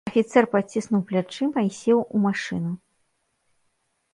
Афіцэр паціснуў плячыма і сеў у машыну.